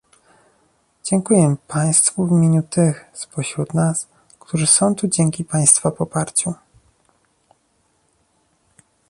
Dziękuję państwu w imieniu tych spośród nas, którzy są tu dzięki państwa poparciu